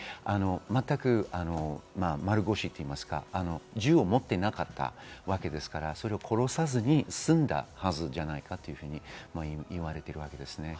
全く丸腰というか、銃を持っていなかったわけですから、それを殺さずに済んだはずじゃないかというふうに言われています。